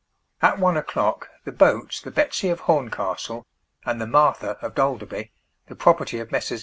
At one o'clock the boats the Betsy of Horncastle, and the Martha of Dalderby, the property of Messrs.